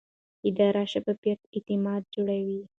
اداري شفافیت اعتماد جوړوي